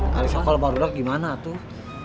kalisokol baru dah gimana tuh